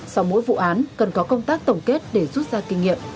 sau mỗi vụ án cần có công tác tổng kết để rút ra kinh nghiệm